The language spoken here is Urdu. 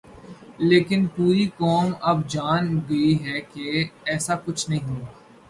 لیکن پوری قوم اب جان گئی ہے کہ ایسا کچھ نہیں ہوا۔